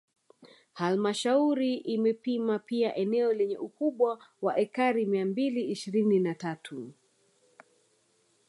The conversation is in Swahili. Halmashauri imepima pia eneo lenye ukubwa wa ekari mia mbili ishirini na tatu